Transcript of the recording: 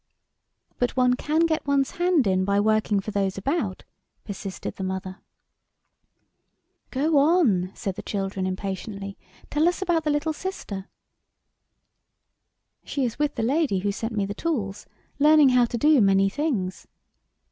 '"" But one can get one's hand in by working for those about," persisted the mother. " Go on," said the children, impatiently ;" tell us about the little sister." " She is with the lady who sent me the tools, learning how to do many things."